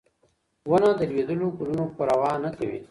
ونه د لوېدلو ګلونو پروا نه کوي.